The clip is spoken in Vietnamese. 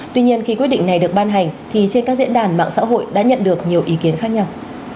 tuy nhiên khi quyết định này được ban hành thì trên các diễn đàn mạng xã hội đã nhận được nhiều ý kiến khác nhau